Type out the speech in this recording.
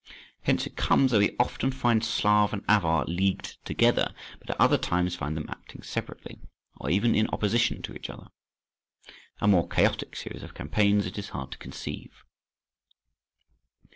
Hence it comes that we often find Slav and Avar leagued together, but at other times find them acting separately, or even in opposition to each other. A more chaotic series of campaigns it is hard to conceive.